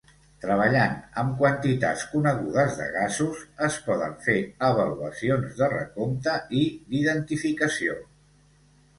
Treballant amb quantitats conegudes de gasos es poden fer avaluacions de recompte i d'identificació.